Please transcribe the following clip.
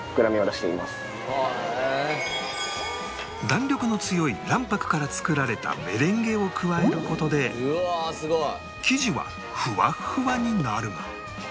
弾力の強い卵白から作られたメレンゲを加える事で生地はフワフワになるが